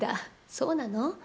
そうなの？